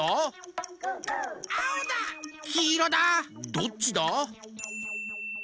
「どっちだ？」